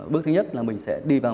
bước thứ nhất là mình sẽ đi vào